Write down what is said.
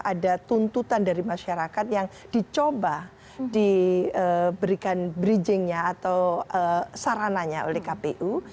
ada tuntutan dari masyarakat yang dicoba diberikan bridgingnya atau sarananya oleh kpu